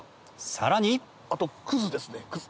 さらにあとクズですねクズ。